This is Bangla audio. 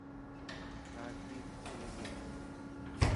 তাঁর তিন ছেলেমেয়ে।